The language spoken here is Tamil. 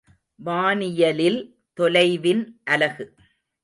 வானியலில் தொலைவின் அலகு.